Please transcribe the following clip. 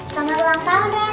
selamat ulang tahun reyna